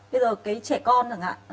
bây giờ cái trẻ con